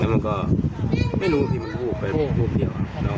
แล้วมันก็ไม่รู้ที่มันวูบไปวูบเดียว